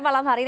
malam hari ini